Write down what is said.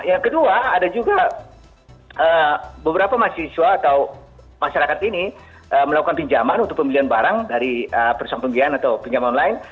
yang kedua ada juga beberapa mahasiswa atau masyarakat ini melakukan pinjaman untuk pembelian barang dari perusahaan pembiayaan atau pinjaman online